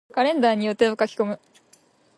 カレンダーに予定を書き込む。